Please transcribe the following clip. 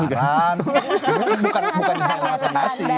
bukan disana jalan tentasi